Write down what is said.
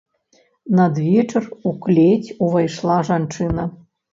Надвечар у клець увайшла жанчына.